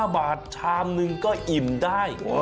๕บาทชามหนึ่งก็อิ่มได้